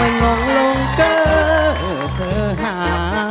และงงลงเกอร์เผอร์หา